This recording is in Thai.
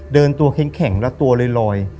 เดินตัวแข็งเลยตัวเลยลอย